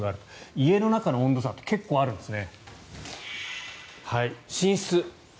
家の中の温度差って結構あるんですね。